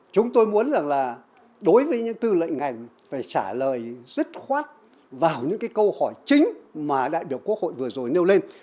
chúng tôi muốn rằng là đối với những tư lệnh ngành phải trả lời dứt khoát vào những cái câu hỏi chính mà đại biểu quốc hội vừa rồi nêu lên